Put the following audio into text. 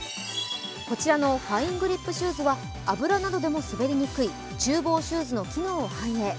こちらのファイリングリップシューズは油などでも滑りにくい厨房シューズの機能を反映。